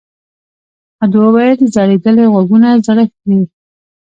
احمد وويل: ځړېدلي غوږونه زړښت دی.